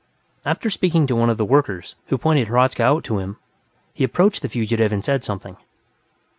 After speaking to one of the workers, who pointed Hradzka out to him, he approached the fugitive and said something.